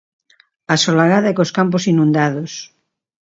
Asolagada e cos campos inundados.